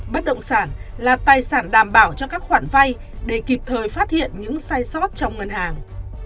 bất động sản là tài sản đảm bảo cho các khoản vay để kịp thời phát hiện những sai sót trong ngân hàng